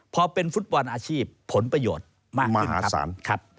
พอเป็นฟุตบอลอาชีพผลประโยชน์มากขึ้นครับ